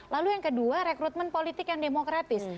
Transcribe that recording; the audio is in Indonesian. lalu yang kedua rekrutmen politik yang demokratis